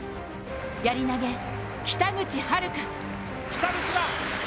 やり投、北口榛花。